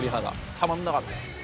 たまらなかったですね。